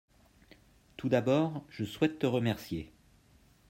tout d'abord je souhaite te remercier.